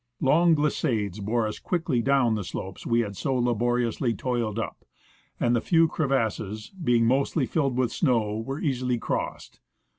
Long glissades bore us quickly down the slopes we had so laboriously toiled up, and the few crevasses, being mostly filled with snow, were easily crossed.